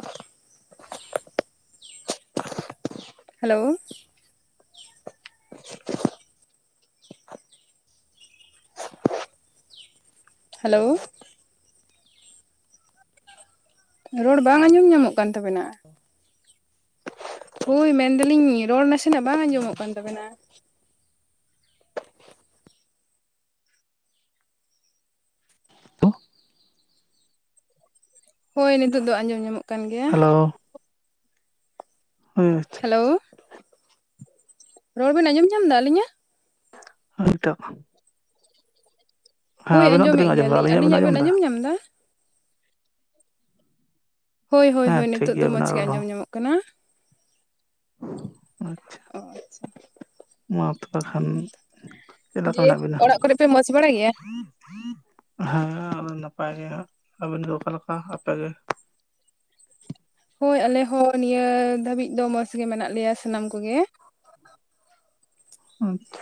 [inaudible] Hello, hello ᱨᱚᱲ ᱵᱟᱝ hello ᱟᱸᱡᱚᱢ ᱧᱟᱢᱚᱜ ᱠᱟᱱ ᱛᱟᱵᱮᱱᱟ᱾ ᱦᱳᱭ ᱢᱮᱱᱫᱟᱞᱤᱧ ᱨᱚᱲ ᱱᱟᱥᱮᱱᱟᱜ ᱵᱟᱝ ᱦᱮᱞᱳ ᱟᱸᱡᱚᱢᱚᱜ ᱠᱟᱱ ᱛᱟᱵᱮᱱᱟ᱾ ᱦᱚᱭ ᱱᱤᱛᱚᱜ ᱫᱚ ᱟᱸᱡᱚᱢ ᱧᱟᱢᱚᱜ ᱠᱟᱱ ᱜᱮᱭᱟ᱾ ᱦᱮᱞᱳ ᱟᱪᱪᱷᱟ, ᱦᱮᱞᱳ ᱨᱚᱲ ᱵᱮᱱ ᱟᱸᱡᱚᱢ ᱧᱟᱢ ᱫᱟ ᱟᱹᱞᱤᱧᱟᱜ, ᱦᱚᱭ ᱱᱤᱛᱚᱜ, ᱦᱳᱭ ᱟᱵᱤᱱᱟᱜ ᱟᱸᱡᱚᱢᱮᱜ ᱫᱚᱞᱤᱧ ᱟᱸᱡᱚᱢ ᱮᱫᱟ ᱜᱮᱭᱟᱞᱤᱧ ᱵᱤᱱ ᱟᱹᱞᱤᱧᱟᱜ ᱵᱮᱱ ᱮᱫᱟ ᱟᱸᱡᱚᱢ ᱧᱟᱢ ᱫᱟ, ᱦᱳᱭ ᱦᱳᱭ ᱦᱮᱸ ᱦᱳᱭ ᱴᱷᱤᱠ ᱱᱤᱛᱚᱜ ᱫᱚ ᱜᱮᱭᱟ ᱢᱚᱸᱡᱽ ᱟᱵᱤᱱᱟᱜ ᱜᱮ ᱨᱚᱲ ᱦᱚᱸ ᱟᱸᱡᱚᱢ ᱧᱟᱢᱚᱜ ᱠᱟᱱᱟ᱾ ᱟᱪᱪᱷᱟ ᱚ ᱟᱪᱪᱷᱟ ᱢᱟ ᱛᱚᱵᱮ ᱠᱷᱟᱱ, ᱪᱮᱫ ᱞᱮᱠᱟ ᱫᱤᱭᱮ ᱢᱮᱱᱟᱜ ᱵᱤᱱᱟ? ᱚᱲᱟᱜ ᱠᱚᱨᱮ ᱯᱮ ᱢᱚᱸᱡᱽ ᱵᱟᱲᱟ ᱜᱮᱭᱟ ᱦᱮᱸ ᱟᱞᱮ ᱱᱟᱯᱟᱭ ᱜᱮ ᱦᱟᱸᱜ ᱟᱹᱵᱤᱱ ᱫᱚ ᱚᱠᱟᱞᱮᱠᱟ ᱟᱯᱮ ᱜᱮ? ᱦᱳᱭ ᱟᱞᱮ ᱦᱚᱸ ᱱᱤᱭᱟᱹ ᱫᱷᱟᱹᱵᱤᱜ ᱫᱚ ᱢᱚᱸᱡᱽᱜᱮ ᱢᱮᱱᱟᱜ ᱞᱮᱭᱟ ᱥᱟᱱᱟᱢ ᱠᱚᱜᱮ᱾ ᱟᱪᱪᱷᱟ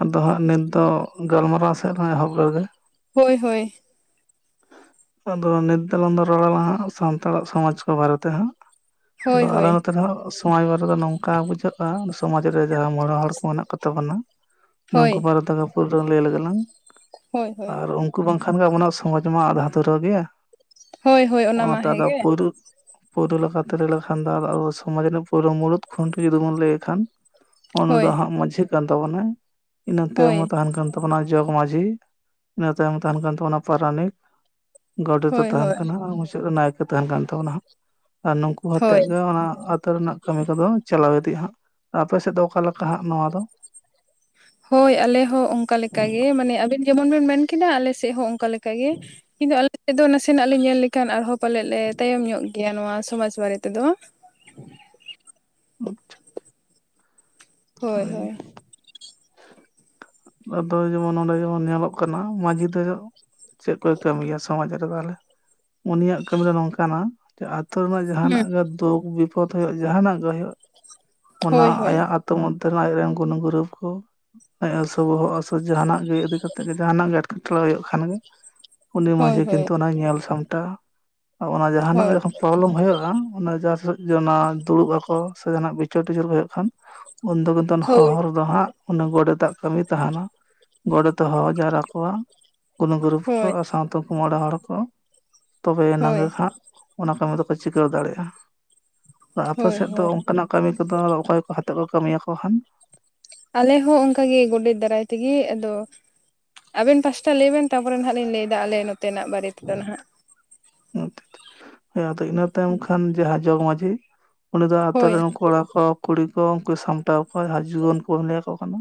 ᱟᱫᱚ ᱦᱟᱸᱜ ᱱᱤᱛ ᱫᱚ ᱜᱟᱞᱢᱟᱨᱟᱣ ᱥᱮᱫ ᱞᱟᱝ ᱮᱦᱚᱵ ᱞᱮᱜᱮ, ᱦᱳᱭ ᱦᱳᱭ᱾ ᱟᱫᱚ ᱱᱤᱛ ᱫᱚ ᱟᱞᱟᱝ ᱫᱚ ᱨᱚᱲ ᱟᱞᱟᱝ ᱦᱟᱸᱜ ᱥᱟᱱᱛᱟᱲᱟᱜ ᱥᱚᱢᱟᱡᱽ ᱠᱚ ᱵᱟᱨᱮᱛᱮ ᱦᱟᱸᱜ, ᱦᱳᱭ ᱟᱫᱚ ᱟᱞᱮ ᱦᱳᱭ ᱱᱚᱛᱮ ᱨᱮᱦᱚᱸ ᱥᱚᱢᱟᱡᱽ ᱵᱟᱨᱮ ᱫᱚ ᱱᱚᱝᱠᱟ ᱵᱩᱡᱷᱟᱹᱜ, ᱠᱟᱱ ᱥᱚᱢᱟᱡᱽ ᱨᱮ ᱡᱟᱦᱟᱸ ᱢᱚᱬᱮ ᱦᱚᱲ ᱠᱚ ᱢᱮᱱᱟᱜ ᱠᱚ ᱛᱟᱵᱚᱱᱟ ᱦᱳᱭ ᱱᱩᱠᱩ ᱢᱟ, [unintelligible] ᱞᱟᱹᱭ ᱞᱮᱜᱮ ᱞᱟᱝ ᱦᱳᱭ ᱦᱳᱭ ᱟᱨ ᱩᱱᱠᱩ ᱵᱟᱝᱠᱷᱟᱱ ᱜᱮ ᱟᱵᱚᱱᱟᱜ ᱥᱚᱢᱟᱡᱽ, ᱛᱮᱢᱟ ᱟᱫᱷᱟ ᱫᱷᱩᱨᱟᱹ ᱜᱮᱭᱟ ᱦᱳᱭ ᱦᱳᱭ ᱚᱱᱟ ᱢᱟ ᱚᱱᱟᱛᱮ ᱟᱫᱚ ᱦᱮᱸᱜᱮ ᱯᱳᱨᱩᱫ ᱯᱳᱨᱩ ᱞᱮᱠᱟᱛᱮ ᱞᱟᱹᱭ ᱞᱮᱠᱷᱟᱱ ᱫᱚ ᱟᱫᱚ ᱟᱵᱚ ᱥᱚᱢᱟᱡᱽ ᱨᱮᱱᱟᱜ ᱯᱳᱭᱨᱩ ᱢᱩᱲᱩᱫ ᱠᱷᱩᱱᱴᱤ ᱡᱩᱫᱤ ᱵᱚᱱ ᱞᱟᱹᱭᱮ ᱠᱷᱟᱱ ᱩᱱᱟ ᱦᱳᱭ ᱫᱚ ᱦᱟᱸᱜ ᱢᱟᱹᱡᱷᱤ ᱠᱟᱱ ᱛᱟᱵᱚᱱᱟᱭ ᱤᱱᱟᱹ ᱛᱟᱭᱚᱢ ᱦᱳᱭ ᱦᱚᱸ ᱛᱟᱦᱮᱱ ᱠᱟᱱ, ᱛᱟᱵᱚᱱᱟ ᱡᱚᱜᱽ ᱢᱟᱹᱡᱷᱤ ᱤᱱᱟᱹ ᱛᱟᱭᱚᱢ ᱛᱟᱦᱮᱱ ᱠᱟᱱ ᱛᱟᱵᱚᱱᱟ ᱯᱟᱨᱟᱱᱤᱠ, ᱜᱚᱰᱮᱛ ᱫᱚ ᱦᱳᱭ ᱛᱟᱦᱮᱱ ᱦᱳᱭ ᱠᱟᱱᱟ ᱟᱨ ᱢᱩᱪᱟᱹᱫ ᱨᱮ ᱱᱟᱭᱠᱮ ᱛᱟᱦᱮᱱ ᱠᱟᱱ ᱛᱟᱵᱚᱱᱟ ᱦᱟᱸᱜ ᱟᱨ ᱱᱩᱠᱩ ᱦᱚᱛᱮᱫ ᱦᱳᱭ ᱜᱮ ᱚᱱᱟ, ᱟᱹᱛᱩ ᱨᱮᱱᱟᱜ ᱠᱟᱹᱢᱤ ᱠᱚᱫᱚ ᱪᱟᱞᱟᱣ ᱤᱫᱤᱜ-ᱟ ᱦᱟᱸᱜ ᱟᱯᱮ ᱥᱮᱫ ᱫᱚ ᱚᱠᱟᱞᱮᱠᱟ? ᱦᱳᱭ ᱟᱞᱮ ᱦᱚᱸ ᱚᱱᱠᱟ ᱞᱮᱠᱟ ᱜᱮ ᱢᱟᱱᱮ ᱟᱵᱤᱱ ᱡᱮᱢᱚᱱ ᱵᱤᱱ ᱢᱮᱱ, ᱠᱮᱫᱟ ᱟᱞᱮ ᱥᱮᱫ ᱦᱚᱸ ᱚᱱᱠᱟ ᱞᱮᱠᱟ ᱜᱮ ᱠᱤᱱᱛᱩ ᱟᱞᱮ ᱥᱮᱜ ᱫᱚ ᱱᱟᱥᱮᱱᱟᱜ ᱞᱮ ᱧᱮᱞ ᱞᱮᱠᱷᱟᱱ ᱟᱨᱦᱚᱸ ᱯᱟᱞᱮᱫ ᱞᱮ ᱛᱟᱭᱚᱢ ᱧᱚᱜ ᱜᱮᱭᱟ ᱱᱚᱣᱟ ᱥᱚᱢᱟᱡᱽ ᱵᱟᱨᱮ ᱛᱮᱫᱚ᱾ ᱟᱪᱪᱷᱟ ᱪᱷᱟ᱾ ᱦᱳᱭ ᱦᱳᱭ᱾ ᱵᱟᱫᱚ ᱡᱮᱢᱚᱱ ᱱᱚᱸᱰᱮ ᱡᱮᱢᱚᱱ ᱧᱮᱞᱚᱜ ᱠᱟᱱᱟ ᱢᱟᱸᱡᱷᱤ ᱛᱮ ᱫᱚ ᱪᱮᱫ ᱠᱚᱭ ᱠᱟᱹᱢᱤᱭᱟ ᱥᱚᱢᱟᱡᱽ ᱨᱮ ᱛᱟᱦᱚᱞᱮ ᱩᱱᱤ ᱭᱟᱜ ᱠᱟᱹᱢᱤ ᱫᱚ ᱱᱚᱝᱠᱟ ᱱᱟ, ᱡᱮ ᱟᱛᱳ ᱨᱮᱱᱟᱜ ᱡᱟᱦᱟᱸ ᱦᱩᱸ ᱱᱟᱜ ᱜᱮ ᱫᱩᱠ ᱵᱤᱯᱚᱫ ᱦᱩᱭᱩᱜ ᱡᱟᱦᱟᱸ ᱱᱟᱜ ᱜᱮ ᱦᱩᱭᱩᱜ ᱚᱱᱟ ᱦᱳᱭ ᱦᱳᱭ ᱟᱭᱟᱜ ᱟᱛ ᱛᱩ ᱢᱚᱫᱽᱫᱷᱮ ᱨᱮᱱ ᱟᱡ ᱨᱮᱱ ᱜᱩᱱᱩ ᱜᱩᱨᱤᱵᱽ ᱠᱩ ᱮᱸᱥ, ᱛᱚ ᱵᱚᱦᱚᱜ ᱦᱟᱥᱩ ᱥᱮ ᱡᱟᱦᱟᱸ ᱱᱟᱜ ᱜᱮ ᱤᱫᱤ ᱠᱟᱛᱮᱜ ᱜᱮ ᱡᱟᱦᱟᱸ ᱱᱟᱜ ᱜᱮ ᱮᱴᱠᱮᱴᱚᱬᱮ ᱦᱩᱭᱩᱜ ᱠᱷᱟᱱ ᱜᱮ, ᱩᱱᱤ ᱦᱳᱭ ᱢᱟᱺᱡᱷᱤ ᱠᱤᱱᱛᱩ ᱦᱳᱭ ᱚᱱᱟᱭ ᱧᱮᱞ ᱥᱟᱢᱴᱟᱣᱟ᱾ ᱟᱨ ᱚᱱᱟ ᱡᱟᱦᱟᱸ ᱱᱟᱜ ᱦᱳᱭ ᱡᱚᱠᱷᱚᱱ ᱯᱨᱚᱵᱚᱞᱚᱢ ᱦᱩᱭᱩᱜ-ᱟ ᱚᱱᱟ ᱡᱟᱥ ᱥᱟᱹᱜ ᱡᱮ ᱚᱱᱟ ᱫᱩᱲᱩᱵ ᱟᱠᱚ ᱥᱮ ᱡᱟᱦᱟᱸ ᱱᱟᱜ ᱵᱤᱪᱟᱹᱨ ᱴᱤᱪᱟᱹᱨ ᱠᱚ ᱦᱩᱭᱩᱜ ᱠᱷᱟᱱ ᱩᱱᱫᱚ ᱠᱤᱱᱛᱩ ᱦᱚᱦᱚ ᱦᱳᱭ ᱦᱚᱨ ᱫᱚ ᱦᱟᱸᱜ, ᱚᱱᱟ ᱜᱚᱰᱮᱛ ᱟᱜ ᱠᱟᱹᱢᱤ ᱛᱟᱦᱮᱱᱟ ᱜᱚᱰᱮᱛ ᱮ ᱦᱚᱦᱚ ᱡᱟᱣᱨᱟ ᱠᱚᱣᱟ᱾ ᱜᱩᱱᱩ [inaudible] ᱠᱚ ᱦᱳᱭ ᱟᱨ ᱥᱟᱶᱛᱮ ᱩᱱᱠᱩ ᱢᱚᱬᱮ ᱦᱚᱲ ᱠᱚ ᱛᱚᱵᱮ ᱭᱮᱱᱟᱝ ᱦᱳᱭ ᱜᱮ ᱦᱟᱸᱜᱼᱼ ᱚᱱᱟ ᱠᱟᱹᱢᱤ ᱫᱚᱠᱚ ᱪᱤᱠᱟᱹᱣ ᱫᱟᱲᱮᱜ-ᱟ ᱟᱻ ᱟᱯᱮ ᱦᱳᱭ ᱥᱮᱜ ᱫᱚ ᱦᱳᱭ ᱚᱱᱠᱟ ᱱᱟᱜᱼᱼ ᱠᱟᱢᱤ ᱠᱚᱫᱚ ᱚᱠᱚᱭ ᱠᱚ ᱦᱟᱛᱮᱜ ᱠᱚ ᱠᱟᱹᱢᱤ ᱭᱟᱠᱚ ᱠᱷᱟᱱ? ᱟᱞᱮ ᱦᱚᱸ ᱚᱱᱠᱟ ᱜᱮ ᱜᱚᱰᱮᱛ ᱫᱟᱨᱟᱭ ᱛᱮᱜᱮ ᱟᱫᱚᱼᱼ ᱟᱵᱮᱱ ᱯᱟᱥᱴᱟ ᱞᱟᱹᱭ ᱵᱮᱱ ᱛᱟᱨᱯᱚᱨᱮ ᱱᱟᱦᱟᱸᱜ ᱞᱤᱧ ᱞᱟᱹᱭ ᱫᱟ ᱟᱞᱮ ᱱᱚᱛᱮ ᱱᱟᱜ ᱵᱟᱨᱮ ᱛᱮᱫᱚ ᱱᱟᱦᱟᱸᱜ? [inaudible] ᱟᱫᱚ ᱤᱱᱟᱹ ᱛᱟᱭᱚᱢ ᱠᱷᱟᱱ ᱡᱟᱦᱟᱸ ᱡᱚᱜᱽ ᱢᱟᱡᱷᱤᱼᱼ ᱩᱱᱤ ᱫᱚ ᱟᱛᱳ ᱦᱳᱭ ᱨᱮᱱ ᱠᱚᱲᱟ ᱠᱚ ᱠᱩᱲᱤ ᱠᱚ ᱩᱱᱠᱩᱭ ᱥᱟᱢᱴᱟᱣ ᱠᱚᱣᱟ ᱡᱟᱦᱟᱸ ᱡᱩᱣᱟᱹᱱ ᱠᱚ ᱞᱟᱹᱭᱟ ᱠᱚ ᱠᱟᱱᱟ᱾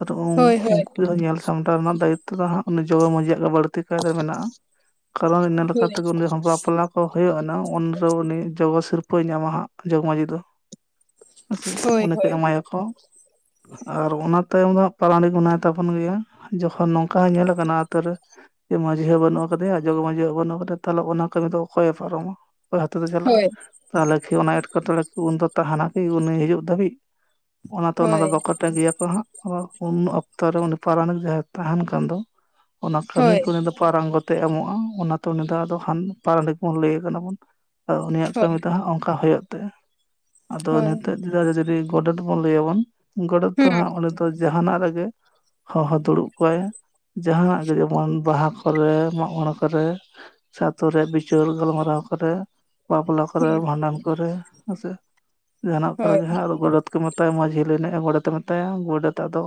ᱟᱫ ᱩᱱ ᱦᱳᱭ ᱦᱳᱭ ᱩᱱᱠᱩ ᱧᱮᱞ ᱥᱟᱢᱴᱟᱣ ᱨᱮᱱᱟᱜ ᱫᱟᱭᱤᱛᱛᱚ ᱫᱚ ᱦᱟᱸᱜ ᱩᱱᱤ ᱡᱚᱜᱽ ᱢᱟᱡᱷᱤ ᱭᱟᱜ ᱜᱮ ᱵᱟᱹᱲᱛᱤ ᱠᱟᱭᱛᱮ ᱢᱮᱱᱟᱜ-ᱟ᱾ ᱠᱟᱨᱚᱱ ᱤᱱᱟᱹ ᱞᱮᱠᱟ ᱦᱳᱭ ᱛᱮ ᱩᱱᱤ ᱦᱚᱸ ᱵᱟᱯᱞᱟᱯᱼᱼ ᱠᱚ ᱦᱩᱭᱩᱜ-ᱟ ᱱᱟᱦᱟᱸᱜ ᱩᱱ ᱨᱮ ᱩᱱᱤ ᱡᱚᱜᱚ ᱥᱤᱨᱯᱟᱹᱭ ᱧᱟᱢᱟ ᱦᱟᱸᱜ ᱡᱚᱜᱽ ᱢᱟᱡᱷᱤ ᱫᱚ᱾ ᱦᱮᱸ ᱥᱮ ᱦᱳᱭ ᱩᱱᱤ ᱠᱚ ᱦᱳᱭ ᱮᱢᱟᱭᱟ᱾ ᱦᱚ ᱟᱨ ᱚᱱᱟ ᱛᱟᱭᱚᱢ ᱫᱚ ᱦᱟᱸᱜ ᱯᱟᱨᱟᱱᱤᱠ ᱢᱮᱱᱟᱭ ᱛᱟᱵᱚᱱ ᱜᱮᱭᱟ᱾ ᱡᱚᱠᱷᱚᱱ ᱱᱚᱝᱠᱟ ᱦᱚᱸ ᱧᱮᱞ ᱞᱟᱠᱟᱱᱟ ᱟᱛᱚ ᱨᱮ ᱮ ᱢᱟᱡᱷᱤ ᱦᱚᱸ ᱵᱟᱱᱩᱜ ᱟᱠᱟᱼᱼ ᱠᱟᱫᱮᱭᱟ ᱡᱚᱜᱽ ᱢᱟᱡᱷᱤ ᱦᱚᱸ ᱵᱟᱱᱩᱜ ᱠᱟᱫᱮ ᱛᱟᱦᱚᱞᱮ ᱚᱱᱟ ᱠᱟᱹᱢᱤ ᱫᱚ ᱚᱠᱚᱭᱮ ᱯᱟᱨᱚᱢᱟ ᱚᱠᱚᱭ ᱦᱚᱛᱮᱛᱮ ᱪᱟᱞᱟᱜ-ᱟ᱾ ᱦᱳᱭ ᱛᱟᱦᱚᱞᱮ ᱠᱷᱤ ᱚᱱᱟ ᱮᱴᱠᱮᱴᱚᱬᱮ ᱠᱩ ᱩᱱ ᱫᱚ ᱛᱟᱦᱟᱱᱟ ᱠᱤ ᱩᱱᱤ ᱦᱤᱡᱩᱜ ᱫᱷᱟᱹᱵᱤᱡ ᱚᱱᱟ ᱛᱮ ᱚᱱᱟ ᱦᱳᱭ ᱫᱚ ᱵᱟᱠᱚᱼᱼ ᱴᱟ ᱜᱮᱭᱟ ᱠᱚ ᱦᱟᱸᱜ ᱟᱫᱚ ᱩᱱ ᱚᱠᱛᱚ ᱨᱮ ᱩᱱᱤ ᱯᱟᱨᱟᱱᱤᱠ ᱡᱟᱦᱟᱸᱭ ᱛᱟᱦᱮᱱ ᱠᱟᱱ ᱫᱚᱼᱼ ᱚᱱᱟ ᱠᱟᱹᱢᱤ ᱠᱚ ᱩᱱᱤ ᱫᱚ ᱯᱟᱨᱟᱝᱜᱚᱛ ᱮ ᱮᱢᱚᱜ-ᱟ ᱚᱱᱟ ᱛᱮ ᱩᱱᱤ ᱫᱚ ᱟᱫᱚ ᱦᱟᱱ ᱯᱟᱨᱟᱱᱤᱠ ᱵᱚᱱ ᱞᱟᱹᱭᱮ ᱠᱟᱱᱟ ᱵᱚᱱ᱾ ᱩᱱᱤ ᱦᱳᱭ ᱭᱟᱜ ᱦᱳᱭ ᱦᱳᱭ ᱠᱟᱹᱢᱤ ᱫᱚ ᱦᱟᱸᱜ ᱚᱱᱠᱟ ᱦᱩᱭᱩᱜ ᱛᱟᱭᱟ ᱟᱫᱚ ᱱᱤ ᱦᱳᱭ ᱛᱮᱜᱼᱼ ᱡᱮ [inaudible] ᱡᱚᱫᱤ ᱜᱚᱰᱮᱛ ᱵᱚᱱ ᱞᱟᱹᱭᱟ ᱵᱚᱱ ᱜᱚᱰᱮᱛ ᱫᱚ ᱦᱩᱸ ᱦᱟᱸᱜ ᱚᱸᱰᱮ ᱫᱚᱼᱼ ᱚ ᱡᱟᱦᱟᱸ ᱱᱟᱜ ᱨᱮᱜᱮ ᱦᱚᱦᱚ ᱫᱩᱲᱩᱵ ᱠᱚᱣᱟᱭ ᱡᱟᱦᱟᱸ ᱱᱟᱜ ᱜᱮ ᱡᱮᱢᱚᱱ ᱵᱟᱦᱟ ᱠᱚᱨᱮᱼᱼ ᱢᱟᱜ ᱢᱚᱬᱮ ᱠᱚᱨᱮ ᱥᱮ ᱟᱛᱩ ᱨᱮ ᱵᱤᱪᱟᱹᱨ ᱜᱟᱞᱢᱟᱨᱟᱣ ᱠᱚᱨᱮᱼᱼ ᱵᱟᱯᱞᱟ ᱠᱚᱨᱮ ᱦᱩᱸ ᱵᱷᱟᱱᱰᱟᱱ ᱠᱚᱨᱮ‌ ᱦᱮᱸ ᱥᱮ᱾ ᱡᱟᱦᱟᱸ ᱱᱟᱜ ᱠᱚᱨᱮ ᱦᱳᱭ ᱜᱮ ᱦᱟᱸᱜ ᱫᱚ ᱜᱚᱰᱮᱛ ᱠᱚ ᱢᱮᱛᱟᱭᱟ ᱢᱟᱡᱷᱤ ᱞᱟᱹᱭ‌ ᱞᱮᱜ ᱮ ᱜᱚᱰᱮᱛ ᱮ ᱢᱮᱛᱟᱭᱟ ᱜᱚᱰᱮᱛ ᱟᱫᱚᱼᱼ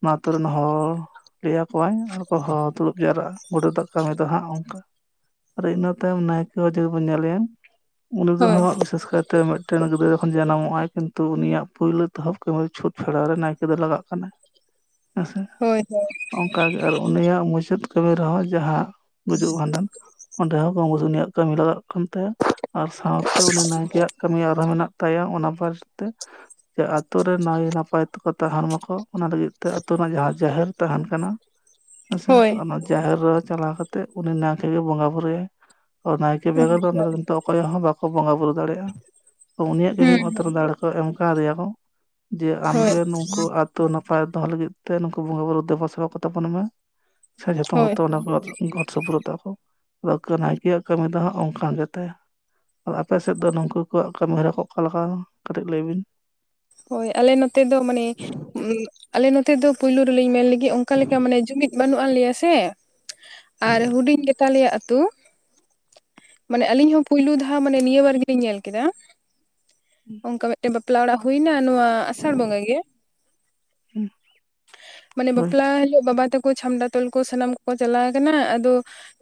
ᱚᱱᱟ ᱟᱛᱩ ᱨᱮᱱ ᱦᱚᱲ ᱞᱟᱹᱭᱟ ᱠᱚᱣᱟᱭ ᱟᱨ ᱠᱚ ᱦᱚᱦᱚ ᱫᱩᱲᱩᱵ ᱡᱟᱣᱨᱟᱜᱼᱟ ᱜᱚᱰᱮᱛ ᱫᱟᱜᱼᱼ ᱠᱟᱢᱤ ᱫᱚ ᱦᱟᱸᱜ ᱚᱝᱠᱟ ᱟᱨ ᱤᱱᱟᱹ ᱛᱟᱭᱚᱢ ᱱᱟᱭᱠᱮ ᱡᱩᱫᱤ ᱵᱚᱱ ᱧᱮᱞᱮᱭᱟ᱾ ᱩᱱᱤ ᱫᱚ ᱦᱟᱸᱜ ᱦᱳᱭ ᱵᱤᱥᱮᱥ ᱠᱟᱭᱛᱮ ᱢᱮᱫᱼᱼ [inaudible] ᱜᱤᱫᱽᱨᱟᱹ ᱠᱷᱚᱱ ᱡᱟᱱᱟᱢᱚᱜ-ᱟᱭ ᱠᱤᱱᱛᱩ ᱩᱱᱤ ᱭᱟᱜ ᱯᱩᱭᱞᱩ ᱛᱚᱦᱚᱵ ᱠᱟᱹᱢᱤ ᱪᱷᱩᱛ ᱯᱷᱮᱲᱟᱣ ᱨᱮ ᱱᱟᱭᱠᱮ ᱫᱚ ᱞᱟᱜᱟᱜ ᱠᱟᱱᱟᱭ᱾ ᱦᱮᱸ ᱥᱮ᱾ ᱦᱳᱭ ᱦᱚᱭ᱾ ᱚᱱᱠᱟ ᱜᱮ ᱟᱨ ᱩᱱᱤ ᱭᱟᱜ ᱢᱩᱪᱟᱹᱫ ᱠᱟᱹᱢᱤ ᱨᱮᱦᱚᱸ ᱡᱟᱦᱟᱸᱼᱼ ᱜᱩᱡᱩᱜ ᱵᱷᱟᱱᱰᱟᱱ ᱚᱸᱰᱮ ᱦᱚᱸ ᱠᱚᱢ ᱵᱤᱥᱤ ᱩᱱᱤᱭᱟᱜ ᱠᱟᱹᱢᱤ ᱞᱟᱜᱟᱜᱼᱼ ᱠᱟᱱ ᱛᱟᱭᱟ ᱟᱨ ᱥᱟᱶᱛᱮ ᱩᱱᱤ ᱱᱟᱭᱠᱮ ᱭᱟᱜ ᱠᱟᱹᱢᱤ ᱟᱨᱦᱚᱸ ᱢᱮᱱᱟᱜᱼᱼ ᱛᱟᱭᱟ ᱚᱱᱟ ᱵᱟᱨᱮᱛ ᱛᱮ ᱡᱮ ᱟᱛᱳ ᱨᱮ ᱱᱟᱭ ᱱᱟᱯᱟᱭ ᱛᱮᱠᱚ ᱛᱟᱦᱮᱱ ᱢᱟᱠᱚᱼᱼ ᱚᱱᱟ ᱞᱟᱹᱜᱤᱫ ᱛᱮ ᱟᱛᱳ ᱨᱮᱱᱟᱜ ᱡᱟᱦᱟᱸ ᱡᱟᱦᱮᱨ ᱛᱷᱟᱱ ᱠᱟᱱᱟ ᱦᱮᱸ ᱥᱮ ᱦᱳᱭ ᱚᱱᱟ ᱡᱟᱦᱮᱨ ᱨᱮ ᱪᱟᱞᱟᱣ ᱠᱟᱛᱼᱼ ᱛᱮᱜ ᱩᱱᱤ ᱱᱟᱭᱠᱮ ᱜᱮ ᱵᱚᱸᱜᱟ ᱵᱩᱨᱩ ᱭᱟᱭ᱾ ᱚ ᱱᱟᱭᱠᱮ ᱵᱮᱜᱚᱨ ᱦᱳᱭ ᱫᱚ ᱚᱸᱰᱮ ᱱᱤᱛᱚ ᱚᱠᱚᱭ ᱦᱚᱸ ᱵᱟᱠᱚ ᱵᱚᱸᱜᱟ ᱵᱩᱨᱩ ᱫᱟᱲᱮᱜ-ᱟ ᱚᱻᱩᱱᱤᱭᱟᱜ ᱜᱮ ᱦᱩᱸ ᱢᱤᱫ ᱢᱟᱛᱨᱚ ᱫᱟᱲᱮᱠ ᱼᱼ ᱠᱚ ᱮᱢ ᱠᱟᱣ ᱫᱮᱭᱟ ᱠᱚ ᱡᱮ ᱟᱢ ᱦᱳᱭ ᱜᱮ ᱱᱩᱝᱠᱩ ᱟᱛᱼᱼ ᱛᱩ ᱱᱟᱯᱟᱭ ᱫᱚᱦᱚ ᱞᱟᱹᱜᱤᱫ ᱛᱮ ᱱᱩᱠᱩ ᱵᱚᱸᱜᱟ ᱵᱩᱨᱩ ᱫᱮᱵᱟ ᱥᱮᱵᱟ ᱠᱚ ᱛᱟᱵᱚᱱ ᱢᱮ ᱥᱮ ᱡᱷᱚᱛᱚ ᱦᱳᱭ ᱦᱚᱲᱛᱚ ᱚᱱᱟ ᱠᱚᱨᱼᱼ ᱜᱚᱴ ᱥᱚᱯᱨᱚᱛ ᱛᱟᱠᱚ ᱟᱫᱚ ᱠᱚ ᱱᱟᱭᱠᱮ ᱭᱟᱜ ᱠᱟᱹᱢᱤ ᱫᱚ ᱦᱟᱸᱜ ᱚᱱᱠᱟ ᱜᱮ ᱛᱟᱭᱟ᱾ ᱚ ᱟᱯᱮ ᱥᱮᱜ ᱫᱚ ᱱᱩᱠᱩ ᱠᱚᱣᱟᱜ ᱠᱟᱹᱢᱤ ᱦᱚᱨᱟ ᱠᱚ ᱚᱠᱟ ᱞᱮᱠᱟ ᱠᱟᱹᱴᱤᱡ ᱞᱟᱹᱭ ᱵᱤᱱ? ᱦᱳᱭ ᱟᱞᱮ ᱱᱚᱛᱮ ᱫᱚ ᱢᱟᱱᱮᱼᱼ ᱟᱞᱮ ᱱᱚᱛᱮ ᱫᱚ ᱯᱳᱭᱞᱳ ᱨᱮᱞᱮᱧ ᱢᱮᱱ ᱞᱮᱜᱮ ᱚᱱᱠᱟ ᱞᱮᱠᱟ ᱢᱟᱱᱮ ᱡᱩᱢᱤᱫ ᱵᱟᱹᱱᱩᱜ ᱟ ᱞᱮᱭᱟ ᱥᱮ᱾ ᱟᱨ ᱦᱩᱰᱤᱧ ᱜᱮᱛᱟᱞᱮᱭᱟ ᱟᱛᱩᱼᱼ ᱢᱟᱱᱮ ᱟᱞᱤᱧ ᱦᱚᱸ ᱯᱩᱭᱞᱩ ᱫᱷᱟ ᱢᱟᱱᱮ ᱱᱤᱭᱟᱹ ᱵᱟᱨ ᱜᱮᱞᱤᱧ ᱧᱮᱞ ᱠᱮᱫᱟ᱾ ᱚᱝᱠᱟ ᱢᱮᱫᱴᱮᱱ ᱵᱟᱯᱞᱟ ᱚᱲᱟᱜ ᱦᱩᱭᱱᱟ ᱱᱚᱣᱟ ᱟᱥᱟᱲ ᱵᱚᱸᱜᱟ ᱜᱮ᱾ ᱢᱟᱱᱮ ᱦᱳᱭ ᱵᱟᱯᱞᱟ ᱦᱤᱞᱳᱜ ᱵᱟᱵᱟ ᱛᱟᱠᱚ ᱪᱷᱟᱢᱰᱟ ᱛᱚᱞ ᱠᱚ ᱥᱟᱱᱟᱢ ᱠᱚᱠᱚ ᱪᱟᱞᱟᱣ ᱟᱠᱟᱱᱟ ᱟᱫᱚ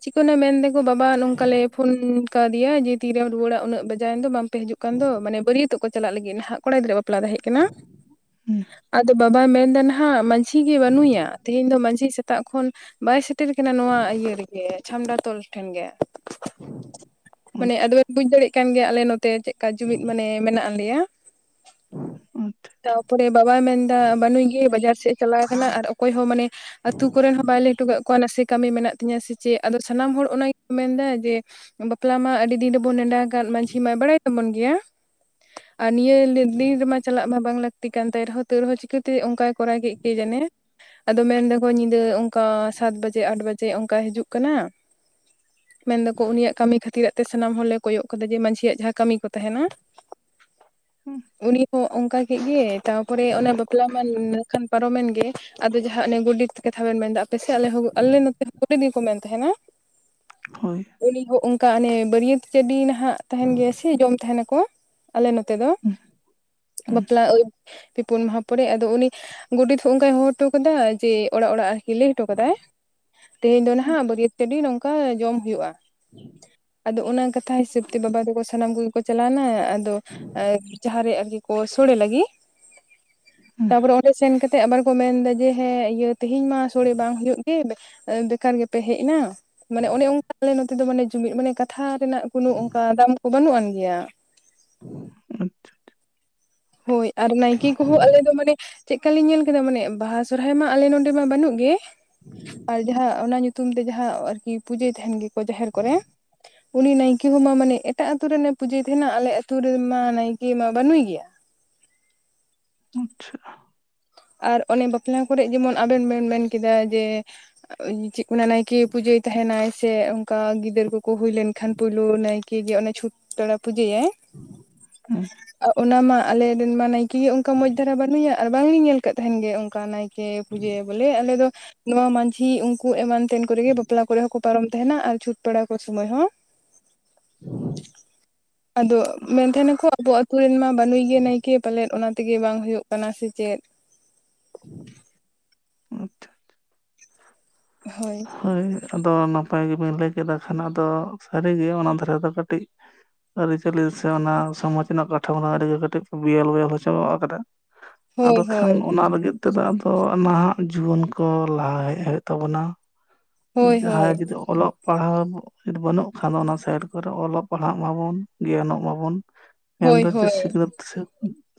ᱪᱤᱠᱟᱹᱭᱱᱟᱭ ᱢᱮᱱ ᱫᱟᱠᱚ ᱵᱟᱵᱟ ᱱᱚᱝᱠᱟ ᱞᱮ ᱯᱷᱳᱱ ᱠᱟᱣᱫᱮᱭᱟ ᱡᱮ ᱛᱤᱨᱮᱢ ᱨᱩᱣᱟᱹᱲᱟ ᱩᱱᱟᱹᱜ ᱵᱟᱡᱟᱭᱮᱱ ᱫᱚ ᱵᱟᱝ ᱯᱮ ᱦᱤᱡᱩᱜ ᱠᱟᱱ ᱫᱚ ᱢᱟᱱᱮ ᱵᱟᱹᱨᱭᱟᱹᱛᱚᱜ ᱠᱚ ᱪᱟᱞᱟᱜ ᱞᱟᱹᱜᱤᱫ ᱱᱟᱦᱟᱜ ᱠᱚᱲᱟ ᱜᱤᱫᱽᱨᱟᱹᱣᱟᱜ ᱵᱟᱯᱞᱟ ᱛᱟᱦᱮᱸᱜ ᱠᱟᱱᱟ᱾ ᱦᱩᱸ ᱟᱫᱚ ᱵᱟᱵᱟᱭ ᱢᱮᱱ ᱴᱫᱟ ᱱᱟᱦᱟᱜ ᱢᱟᱺᱡᱷᱤ ᱜᱮ ᱵᱟᱹᱱᱩᱜᱭᱟ, ᱛᱮᱦᱮᱧ ᱫᱚ ᱢᱟᱺᱡᱷᱤ ᱥᱮᱛᱟᱜ ᱠᱷᱚᱱ ᱵᱟᱭ ᱥᱮᱴᱮᱨ ᱟᱠᱟᱱᱟ ᱱᱚᱣᱟ ᱤᱭᱟᱹ ᱨᱮᱜᱮ, ᱪᱷᱟᱢᱰᱟ ᱛᱚᱞ ᱴᱷᱮᱱ ᱜᱮ᱾ ᱢᱟᱱᱮ ᱟᱫᱚ ᱟᱪᱪᱷᱟ ᱵᱮᱱ ᱵᱩᱡᱽ ᱫᱟᱲᱮᱜ ᱠᱟᱱ ᱜᱮᱭᱟ ᱟᱞᱮ ᱱᱚᱛᱮ ᱪᱮᱫᱠᱟ ᱡᱩᱢᱤᱫ ᱢᱟᱱᱮ ᱢᱮᱱᱟᱜ ᱞᱮᱭᱟ᱾ [inaudible] ᱛᱟᱯᱚᱨᱮ ᱵᱟᱵᱟᱭ ᱢᱮᱱᱫᱟ ᱵᱟᱱᱩᱭ ᱜᱮ ᱵᱟᱡᱟᱨ ᱥᱮᱫ ᱮ ᱪᱟᱞᱟᱣ ᱠᱟᱱᱟ ᱟᱨ ᱚᱠᱚᱭ ᱦᱚᱸ ᱢᱟᱱᱮ ᱟᱛᱩ ᱠᱚᱨᱮᱱ ᱦᱚᱸ ᱵᱟᱭ ᱞᱟᱹᱭ ᱦᱚᱴᱚ ᱠᱟᱜ ᱠᱚᱣᱟ ᱱᱟᱥᱮ ᱠᱟᱹᱢᱤ ᱢᱮᱱᱟᱜ ᱛᱤᱧᱟᱹ ᱥᱮ ᱪᱮᱫ, ᱟᱫᱚ ᱥᱟᱱᱟᱢ ᱦᱚᱲ ᱚᱱᱟ ᱜᱮᱠᱚ ᱢᱮᱱᱫᱟ ᱡᱮ ᱵᱟᱯᱞᱟ ᱢᱟ ᱟᱹᱰᱤ ᱫᱤᱱ ᱨᱮᱵᱚᱱ ᱱᱮᱰᱟ ᱠᱟᱫ ᱢᱟᱺᱡᱷᱤ ᱢᱟᱭ ᱵᱟᱲᱟᱭ ᱛᱟᱵᱚᱱ ᱜᱮᱭᱟ, ᱟᱨ ᱱᱤᱭᱟᱹ [unintelligible] ᱫᱤᱱ ᱨᱮᱢᱟ ᱪᱟᱞᱟᱜ ᱢᱟ ᱵᱟᱝ ᱞᱟᱹᱠᱛᱤ ᱠᱟᱱ ᱛᱟᱭ ᱨᱮᱦᱚᱸ, ᱛᱟᱹᱣ ᱨᱮᱦᱚᱸ ᱪᱤᱠᱟᱹᱛᱮ ᱚᱱᱠᱟᱭ ᱠᱚᱨᱟᱣ ᱠᱮᱜ ᱠᱮ ᱡᱟᱱᱮ᱾ ᱟᱫᱚ ᱢᱮᱱ ᱫᱟᱠᱚ ᱧᱤᱫᱟᱹ ᱚᱝᱠᱟ ᱥᱟᱛ ᱵᱟᱡᱮ, ᱟᱴ ᱵᱟᱡᱮ ᱚᱝᱠᱟᱭ ᱦᱤᱡᱩᱜ ᱠᱟᱱᱟ, ᱢᱮᱱ ᱫᱟᱠᱚ ᱩᱱᱤᱭᱟᱜ ᱠᱟᱢᱤ ᱠᱷᱟᱹᱛᱤᱨᱟᱜ ᱛᱮ ᱥᱟᱱᱟᱢ ᱦᱚᱲᱞᱮ ᱠᱚᱭᱚᱜ ᱠᱟᱫᱟ ᱡᱮ ᱢᱟᱺᱡᱷᱤᱭᱟᱜ ᱡᱟᱦᱟᱸ ᱠᱟᱹᱢᱤ ᱠᱚ ᱛᱟᱦᱮᱸᱱᱟ, ᱦᱩᱸ᱾ ᱩᱱᱤ ᱦᱚᱸ ᱚᱝᱠᱟ ᱠᱮᱜ ᱜᱮ ᱛᱟᱯᱚᱨᱮ ᱚᱱᱮ ᱵᱟ ᱯᱞᱟ ᱢᱟ ᱱᱟᱹᱠᱷᱟᱱ ᱯᱟᱨᱚᱢᱮᱱ ᱜᱮ ᱟᱫᱚ ᱡᱟᱦᱟᱸ ᱚᱱᱮ ᱜᱚᱰᱮᱛ ᱠᱟᱛᱷᱟ ᱵᱮᱱ ᱢᱮᱱᱫᱟ ᱯᱮ ᱥᱮᱜ ᱟᱞᱮ [unintelligible] ᱟᱞᱮ ᱱᱚᱛᱮ [inaudible] ᱠᱚ ᱢᱮᱱ ᱛᱟᱦᱮᱸᱱᱟ, ᱦᱳᱭ᱾ ᱩᱱᱤ ᱦᱚᱸ ᱚᱝᱠᱟ ᱚᱱᱮ ᱵᱟᱹᱨᱭᱟᱹᱛ ᱪᱟᱹᱰᱤ ᱱᱟᱦᱟᱜ ᱛᱟᱦᱮᱸᱱ ᱜᱮᱭᱟ ᱥᱮ ᱡᱚᱢ ᱛᱟᱦᱮᱸᱱᱟ ᱠᱚ, ᱟᱞᱮ ᱱᱚᱛᱮ ᱫᱚ᱾ [inaudible] ᱵᱟᱯᱞᱟ ᱳᱭ ᱯᱮ ᱯᱩᱱ ᱢᱟᱦᱟ ᱯᱚᱨᱮ ᱟᱫᱚ ᱩᱱᱤ, ᱜᱚᱰᱮᱛ ᱦᱚᱸ ᱚᱝᱠᱟᱭ ᱦᱚᱦᱚ ᱦᱚᱴᱚ ᱠᱟᱫᱟ ᱡᱮ ᱚᱲᱟᱜ ᱚᱲᱟᱜ ᱞᱟᱹᱭ ᱦᱚᱴᱚ ᱠᱟᱫᱟᱭ ᱛᱮᱦᱮᱧ ᱫᱚ ᱦᱩᱸ ᱱᱟᱦᱟᱜ ᱵᱟᱹᱨᱤᱭᱟᱹᱛ ᱪᱟᱰᱤ ᱱᱚᱝᱠᱟ ᱡᱚᱢ ᱦᱩᱭᱩᱜᱼᱟ᱾ [inaudible] ᱟᱫᱚ ᱚᱱᱟ ᱠᱟᱛᱷᱟ ᱦᱤᱥᱟᱹᱵ ᱛᱮ ᱵᱟᱵᱟ ᱛᱟᱠᱚ ᱥᱟᱱᱟᱢ ᱠᱚᱜᱮ ᱠᱚ ᱪᱟᱞᱟᱣᱱᱟ, ᱟᱫᱚ ᱡᱟᱦᱟᱸ ᱨᱮ ᱟᱨᱠᱤ ᱠᱚ ᱥᱳᱲᱮ ᱞᱟᱜᱤᱜ, ᱛᱟᱯᱚᱨᱮ ᱚᱸᱰᱮ ᱥᱮᱱ ᱠᱟ -ᱛᱮ ᱟᱵᱟᱨ ᱠᱚ ᱢᱮᱱᱫᱟ ᱡᱮ ᱦᱮᱸ ᱤᱭᱟᱹ ᱛᱮᱦᱮᱧ ᱢᱟ ᱥᱳᱲᱮ ᱵᱟᱝ ᱦᱩᱭᱩᱜ ᱜᱮ, ᱮᱸ ᱵᱮᱠᱟᱨ ᱜᱮᱯᱮ ᱦᱮᱡ ᱮᱱᱟ᱾ ᱢᱟᱱᱮ ᱚᱱᱮ ᱚᱝᱠᱟ ᱟᱞᱮ ᱱᱚᱛᱮ ᱫᱚ ᱢᱟᱱᱮ ᱡᱩᱢᱤᱫ ᱢᱟᱱᱮ ᱠᱟᱛᱷᱟ ᱨᱮᱱᱟᱜ ᱠᱳᱱᱳ ᱚᱝᱠᱟ ᱫᱟᱢ ᱠᱚ ᱵᱟᱹᱱᱩᱜ ᱟᱱ ᱜᱮᱭᱟ᱾ ᱟᱪᱪᱷᱟ ᱟᱪᱪᱷᱟ ᱟᱪᱪᱷᱟ᱾ ᱦᱳᱭ ᱟᱨ ᱱᱟᱭᱠᱮ ᱠᱚᱦᱚᱸ ᱟᱞᱮ ᱫᱚ ᱢᱟᱱᱮ ᱪᱮᱫᱠᱟ ᱞᱤᱧ ᱧᱮᱞ ᱠᱮᱫᱟ ᱢᱟᱱᱮ ᱵᱟᱦᱟ ᱥᱚᱨᱦᱟᱭ ᱢᱟ ᱟᱞᱮ ᱱᱚᱰᱮ ᱢᱟ ᱵᱟᱹᱱᱩᱜ ᱜᱮ, ᱟᱨ ᱡᱟᱦᱟᱸ ᱚᱱᱟ ᱧᱩᱛᱩᱢ ᱛᱮ ᱡᱟᱦᱟᱸ ᱟᱨᱠᱤ ᱯᱩᱡᱟᱹᱭ ᱛᱟᱦᱮᱸᱱ ᱜᱮᱠᱚ ᱡᱟᱦᱮᱨ ᱠᱚᱨᱮ ᱩᱱᱤ ᱱᱟᱭᱠᱮ ᱦᱚᱸ ᱢᱟ ᱢᱟᱱᱮ ᱮᱴᱟᱜ ᱟᱛᱩ ᱨᱮᱱᱟᱜ ᱮ ᱯᱩᱡᱟᱹᱭ ᱛᱟᱦᱮᱸᱱᱟ ᱟᱞᱮ ᱟᱛᱩ ᱨᱮᱱ ᱢᱟ ᱱᱟᱭᱠᱮ ᱢᱟ ᱵᱟᱱᱩᱭ ᱜᱮᱭᱟ᱾ ᱟᱪᱪᱷᱟ᱾ ᱟᱨ ᱚᱱᱮ ᱵᱟᱯᱞᱟ ᱠᱚᱨᱮᱜ ᱡᱮᱢᱚᱱ ᱟᱵᱮᱱ ᱵᱮᱱ ᱢᱮᱱ ᱠᱮᱫᱟ ᱡᱮ ᱪᱮᱫ ᱠᱚ ᱱᱟᱜ ᱱᱟᱭᱠᱮ ᱯᱩᱡᱟᱹᱭ ᱛᱟᱦᱮᱸᱱᱟᱭ ᱥᱮ ᱚᱝᱠᱟ ᱜᱤᱫᱟᱹᱨ ᱠᱚ ᱠᱚ ᱦᱩᱭ ᱞᱮᱱᱠᱷᱟᱱ ᱯᱩᱭᱞᱩ ᱱᱟᱭᱠᱮ ᱜᱮ ᱚᱱᱮ ᱪᱷᱩᱛ ᱯᱮᱲᱟ ᱯᱩᱡᱟᱹᱭᱟᱭ, ᱦᱩᱸ ᱚᱱᱟ ᱢᱟ ᱟᱞᱮ ᱨᱮᱱᱢᱟ ᱱᱟᱭ ᱠᱮ ᱜᱮ ᱚᱝᱠᱟ ᱢᱚᱡᱽ ᱫᱷᱟᱨᱟ ᱵᱟᱹᱱᱩᱭᱟ ᱟᱨ ᱵᱟᱝ ᱞᱤᱧ ᱧᱮᱞ ᱠᱟᱜ ᱛᱟᱦᱮᱸᱱ ᱜᱮ ᱚᱝᱠᱟ ᱱᱟᱭᱠᱮ ᱯᱩᱡᱟᱹᱭᱟᱭ ᱵᱚᱞᱮ, ᱟᱞᱮ ᱫᱚ ᱱᱚᱣᱟ ᱢᱟᱺᱡᱷᱤ ᱩᱱᱠᱩ ᱮᱢᱟᱱ ᱛᱮᱱ ᱠᱚᱨᱮ ᱜᱮ ᱵᱟᱯᱞᱟ ᱠᱚᱨᱮ ᱦᱚᱸ ᱠᱚ ᱯᱟᱨᱚᱢ ᱛᱟᱦᱮᱸᱱᱟ ᱟᱨ ᱪᱷᱩᱸᱛ ᱯᱮᱲᱟᱣ ᱠᱚ ᱥᱩᱢᱟᱹᱭ ᱦᱚᱸ᱾ [inaudible] ᱟᱫᱚ ᱢᱮᱱ ᱟᱪᱪᱷᱟ ᱛᱟᱦᱮᱸᱱᱟ ᱠᱚ ᱟᱵᱚ ᱟᱹᱛᱩ ᱨᱮᱱ ᱢᱟ ᱵᱟᱱᱩᱭ ᱜᱮ ᱱᱟᱭᱠᱮ ᱯᱟᱞᱮᱫ ᱚᱱᱟ ᱛᱮᱜᱮ ᱵᱟᱝ ᱦᱳᱭᱳᱜ ᱠᱟᱱᱟ ᱥᱮ ᱪᱮᱫ ᱾ [inaudible] ᱦᱳᱭ ᱦᱳᱭ ᱟᱫᱚ ᱱᱟᱯᱟᱭ ᱜᱮᱵᱤᱱ ᱞᱟᱹᱭ ᱠᱮᱫᱟ ᱠᱷᱟᱱ ᱟᱫᱚ ᱥᱟᱹᱨᱤᱜᱮ ᱚᱱᱟ ᱫᱷᱟᱨᱮ ᱫᱚ ᱠᱟᱹᱴᱤᱡ ᱟᱹᱨᱤᱪᱟᱹᱞᱤ ᱥᱮ ᱚᱱᱟ ᱥᱚᱢᱟᱡᱽ ᱨᱮᱱᱟᱜ ᱠᱟᱴᱷᱟ ᱢᱚ ᱚᱱᱟ ᱟᱹᱰᱤᱜᱮ ᱠᱟᱹᱴᱤᱡ ᱵᱤᱭᱮᱞ ᱵᱚᱭᱚᱞ ᱦᱚᱪᱟ ᱟᱠᱟᱫᱟ ᱾ ᱦᱳᱭ ᱟᱫᱚ ᱠᱷᱟᱱ ᱦᱳᱭ ᱚᱱᱟ ᱞᱟᱹᱜᱤᱫ ᱛᱮᱫᱚ ᱟᱫᱚ ᱱᱟᱦᱟᱜ ᱡᱩᱣᱟᱹᱱ ᱠᱚ ᱞᱟᱦᱟ ᱦᱮᱡ ᱦᱮᱡ ᱛᱟᱵᱚᱱᱟ ᱾ ᱦᱳᱭ ᱡᱟᱦᱟᱸᱭ ᱦᱳᱭ ᱡᱩᱫᱤ ᱚᱞᱚᱜ ᱯᱟᱲᱦᱟᱣ ᱡᱤᱫᱤ ᱵᱟᱹᱱᱩᱜ ᱠᱷᱟᱱ ᱫᱚ ᱚᱱᱟ ᱥᱮᱨ ᱠᱚᱨᱮ ᱚᱞᱚᱜ ᱯᱟᱲᱦᱟᱜ ᱢᱟᱵᱚᱱ ᱜᱮᱭᱟᱱᱚᱜ ᱢᱟᱵᱚᱱ ᱦᱳᱭ ᱢᱮᱱᱫᱚ ᱡᱮ ᱦᱳᱭ ᱥᱤᱠᱷᱱᱟᱹᱛ ᱥᱮᱫ